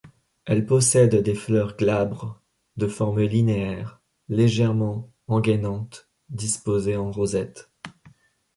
Elle possède des feuilles glabres de forme linéaire, légèrement engainantes, disposées en rosette.